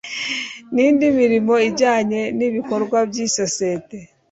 n indi mirimo ijyanye n ibikorwa by isosiyete